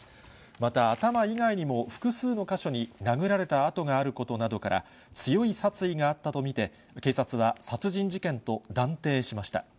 また、頭以外にも複数の箇所に殴られた痕があることなどから、強い殺意があったと見て、警察は殺人事件と断定しました。